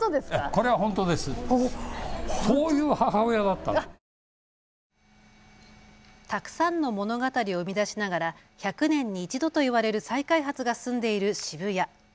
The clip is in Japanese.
たくさんの物語を生み出しながら１００年に一度といわれる再開発が進んでいる渋谷。